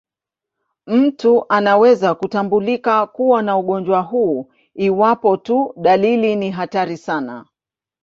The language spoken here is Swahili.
Mtu anaweza kutambulika kuwa na ugonjwa huu iwapo tu dalili ni hatari sana.